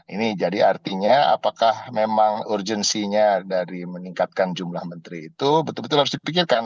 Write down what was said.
ini jadi artinya apakah memang urgensinya dari meningkatkan jumlah menteri itu betul betul harus dipikirkan